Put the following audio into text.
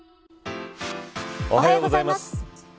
おはようございます。